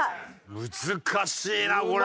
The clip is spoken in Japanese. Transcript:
難しいなこれ。